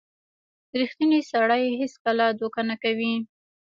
• ریښتینی سړی هیڅکله دوکه نه کوي.